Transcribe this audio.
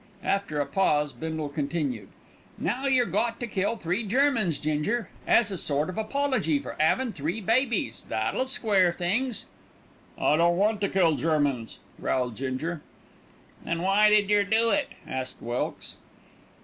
After a pause Bindle continued, "Now yer got to kill three Germans, Ginger, as a sort of apology for 'avin' three babies. That'll square things." "I don't want to kill Germans," growled Ginger. "Then why did yer do it?" asked Wilkes.